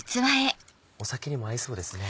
酒にも合いそうですね。